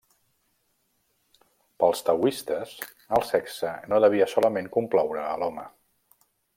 Pels taoistes, el sexe no devia solament complaure a l'home.